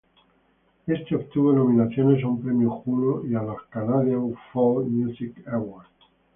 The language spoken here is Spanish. Este obtuvo nominaciones a un Premio Juno y a los Canadian Folk Music Award.